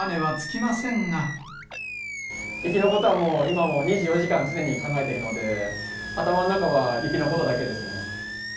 雪のことはもう、今もう２４時間、常に考えているので、頭の中は雪のことだけです